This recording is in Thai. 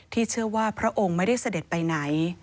เชื่อว่าพระองค์ไม่ได้เสด็จไปไหน